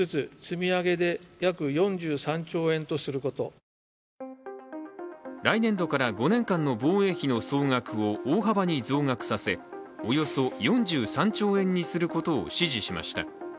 岸田総理は昨日来年度から５年間の防衛費の総額を大幅に増額させおよそ４３兆円にすることを指示しました。